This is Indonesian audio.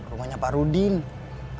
rumahnya pak rudi nih